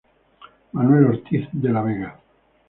Manuel Ortiz de la Vega.